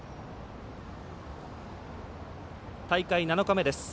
大会７日目です。